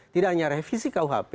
tidak hanya revisi kuhp